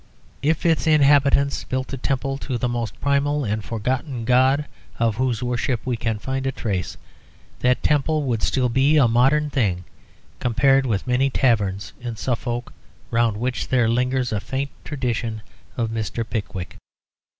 If its inhabitants built a temple to the most primal and forgotten god of whose worship we can find a trace, that temple would still be a modern thing compared with many taverns in Suffolk round which there lingers a faint tradition of Mr. Pickwick.